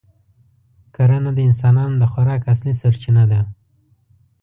کرنه د انسانانو د خوراک اصلي سرچینه ده.